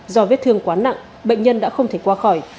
do vết thương quá nặng bệnh nhân đã không thể qua khỏi